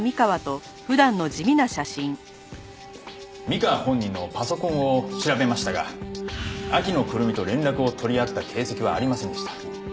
三河本人のパソコンを調べましたが秋野胡桃と連絡を取り合った形跡はありませんでした。